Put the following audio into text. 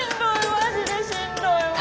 マジでしんどい。